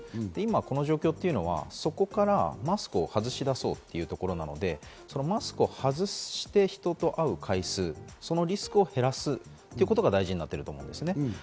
この状況というのは、そこからマスクを外し出そうというところなので、マスクを外して人と会う回数、そのリスクを減らすということが大事になってくると思うんですね。